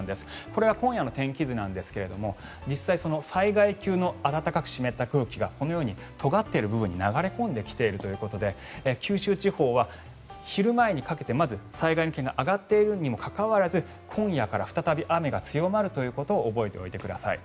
これは今夜の天気図なんですが実際に災害級の暖かく湿った空気がこのようにとがっている部分に流れ込んできているということで九州地方は昼前にかけてまず災害の危険が上がっているにもかかわらず今夜から再び雨が強まるということを覚えておいてください。